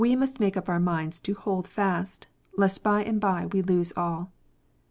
57 must make up our minds to " hold fast," lost by and by we lose all.